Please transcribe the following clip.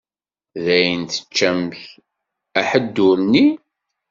Dayen teččamt aḥeddur-nni?